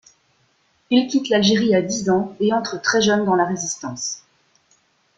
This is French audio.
Il quitte l’Algérie à dix ans, et entre très jeune dans la Résistance.